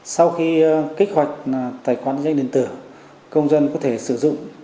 sau khi kích hoạt tài khoản định danh điện tử công dân có thể sử dụng